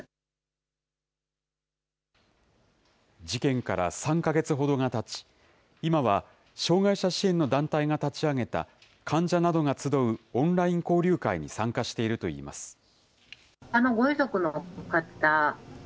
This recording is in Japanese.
事件から３か月ほどがたち、今は障害者支援の団体が立ち上げた患者などが集うオンライン交流会に参加しているといいます。